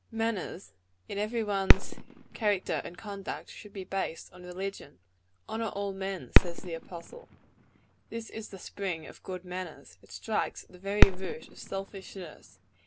"Manners, like every thing else in one's character and conduct, should be based on religion. Honor all men, says the apostle. This is the spring of good manners. It strikes at the very root of selfishness.